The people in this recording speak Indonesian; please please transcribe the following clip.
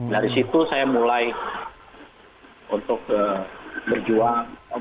dari situ saya mulai untuk berjuang